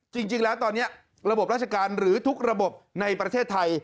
จริงแล้วตอนนี้ระบบราชการหรือทุกระบบในประเทศไทย